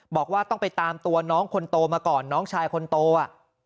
บอกว่าต้องไปตามตัวน้องคนโตมาก่อนน้องชายคนโตอ่ะ